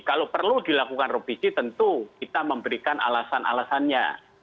kalau perlu dilakukan revisi tentu kita memberikan alasan alasannya